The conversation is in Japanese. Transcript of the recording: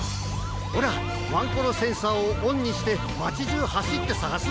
ほらワンコロセンサーをオンにしてまちじゅうはしってさがすんだ。